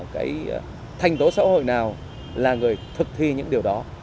cái thành tố xã hội nào là người thực thi những điều đó